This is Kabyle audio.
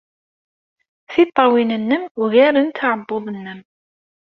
Tiṭṭawin-nnem ugarent aɛebbuḍ-nnem.